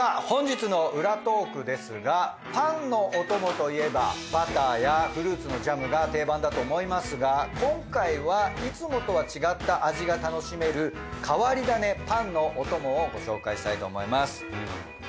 本日の裏トークですがパンのお供といえばバターやフルーツのジャムが定番だと思いますが今回はいつもとは違った味が楽しめる変わり種パンのお供をご紹介したいと思います。